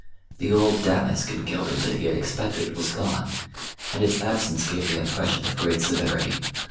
The old damask and gilding that he had expected was gone, and its absence gave the impression of great severity.